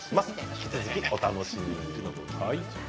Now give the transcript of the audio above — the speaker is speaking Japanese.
引き続きお楽しみに。